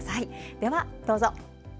ではどうぞ。